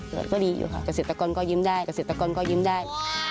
ก็ดีอยู่ค่ะกระเสร็จตะกอนก็ยิ้มได้